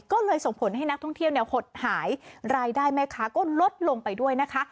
ก็เลยส่งผลให้นักท่องเที่ยวเนี่ยหดหายรายได้แม่ค้าก็ลดลงไปด้วยนะคะ